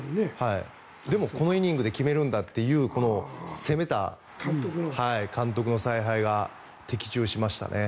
でも、このイニングで決めるんだという攻めた監督の采配が的中しましたね。